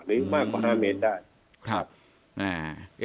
หรือมากกว่าห้าเมตรได้